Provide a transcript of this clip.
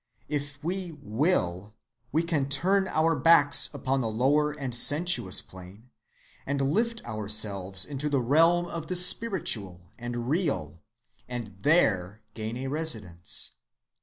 If we will, we can turn our backs upon the lower and sensuous plane, and lift ourselves into the realm of the spiritual and Real, and there gain a residence.